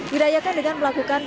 didayakan dengan melakukan